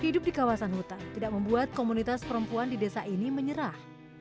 hidup di kawasan hutan tidak membuat komunitas perempuan di desa ini menyerah